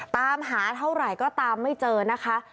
ตามหาเท่าไหร่ก็ตามไม่เจอนะคะ